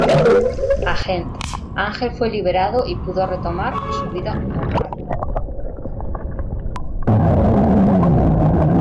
Agent, Ángel fue liberado y pudo retomar su vida normal.